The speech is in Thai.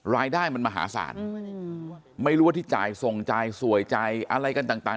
รายได้มันมหาศาลไม่รู้ว่าที่จ่ายส่งจ่ายสวยใจอะไรกันต่าง